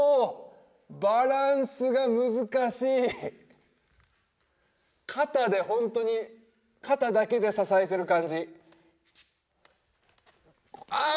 バランスが難しい肩でホントに肩だけで支えてる感じああ！